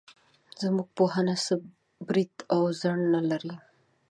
زموږ پوهنه څه برید او څنډه نه لري.